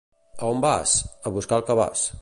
—A on vas? —A buscar el cabàs.